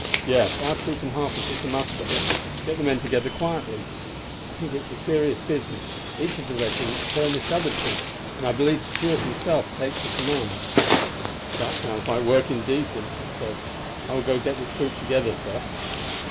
"Yes; our troop and Harper's are to muster. Get the men together quietly. I think it is a serious business; each of the regiments furnish other troops, and I believe Stuart himself takes the command." "That sounds like work, indeed," Vincent said. "I will get the troop together, sir."